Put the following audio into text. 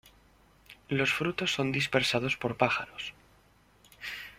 Los frutos son dispersados por pájaros.